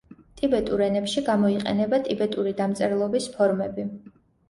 ტიბეტურ ენებში გამოიყენება ტიბეტური დამწერლობის ფორმები.